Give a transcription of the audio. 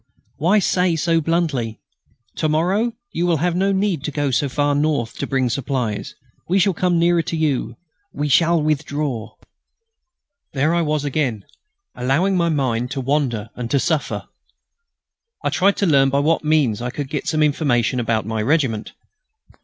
Why say so bluntly, "To morrow you will have no need to go so far north to bring supplies. We shall come nearer to you; we shall withdraw ..."? There I was again, allowing my mind to wander and to suffer. I tried to learn by what means I could get some information about my regiment.